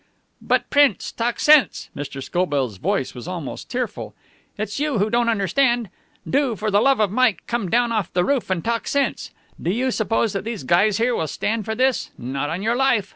"But, Prince, talk sense." Mr. Scobell's voice was almost tearful. "It's you who don't understand. Do, for the love of Mike, come down off the roof and talk sense. Do you suppose that these guys here will stand for this? Not on your life.